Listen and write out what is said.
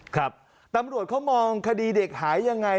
ครับตำรวจเขามองคดีเด็กหายยังไง